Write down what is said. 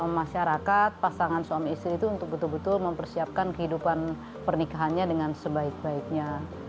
masyarakat pasangan suami istri itu untuk betul betul mempersiapkan kehidupan pernikahannya dengan sebaik baiknya